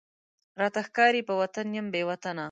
راته ښکاری په وطن یم بې وطنه،